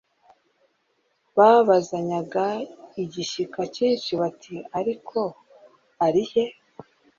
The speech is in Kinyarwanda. Babazanyaga igishyika cyinshi bati :"Ariko ari he?"